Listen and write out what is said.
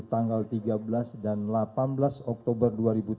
tanggal tiga belas dan delapan belas oktober dua ribu tujuh belas